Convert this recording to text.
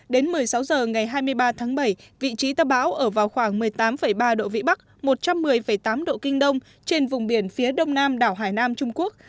đến một mươi sáu h ngày hai mươi ba tháng bảy vị trí tâm bão ở vào khoảng một mươi tám ba độ vĩ bắc một trăm một mươi tám độ kinh đông trên vùng biển phía đông nam đảo hải nam trung quốc